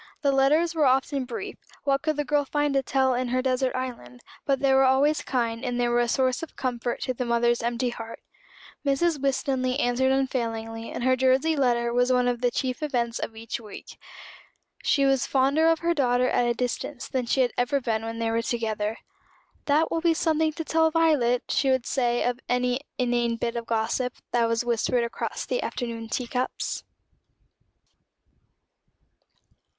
The letters were often brief what could the girl find to tell in her desert island? but they were always kind, and they were a source of comfort to the mother's empty heart. Mrs. Winstanley answered unfailingly, and her Jersey letter was one of the chief events of each week. She was fonder of her daughter at a distance than she had ever been when they were together. "That will be something to tell Violet," she would say of any inane bit of gossip that was whispered across the afternoon tea cups.